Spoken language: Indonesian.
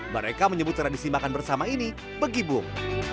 mereka menyebut tradisi makan bersama ini begibung